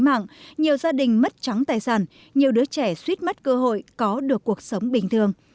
trong thời gian qua nhiều gia đình mất trắng tài sản nhiều đứa trẻ suýt mất cơ hội có được cuộc sống bình thường